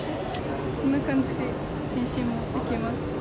こんな感じで返信もできます。